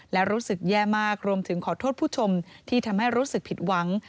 และรู้สึกแย่มากรวมถึงขอโทษผู้ชมที่ทำให้รู้สึกผิดหวัง